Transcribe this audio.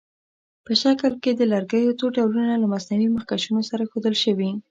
په شکل کې د لرګیو څو ډولونه له مصنوعي مخکشونو سره ښودل شوي.